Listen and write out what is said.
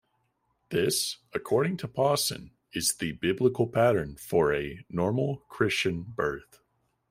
This, according to Pawson, is the biblical pattern for a "normal Christian birth".